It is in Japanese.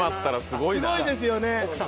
すごいですよね！